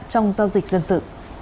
trong giao dịch dân sự